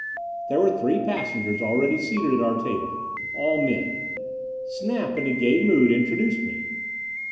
There were three passengers already seated at our table all men. Snap, in a gay mood, introduced me.